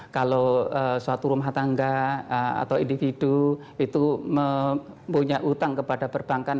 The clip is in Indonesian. kalau suatu rumah tangga atau individu itu mempunyai utang kepada perbankan